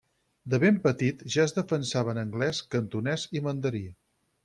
De ben petit, ja es defensava en anglès, cantonès, i mandarí.